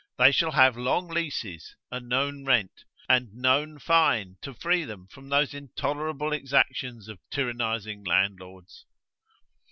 they shall have long leases, a known rent, and known fine to free them from those intolerable exactions of tyrannizing landlords.